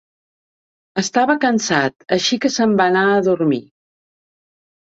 Estava cansat, així que s'en va anar a dormir.